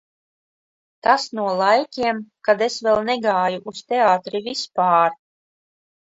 Tas no laikiem, kad es vēl negāju uz teātri vispār.